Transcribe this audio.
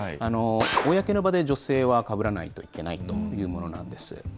公の場で女性はかぶらないといけないというものなんです。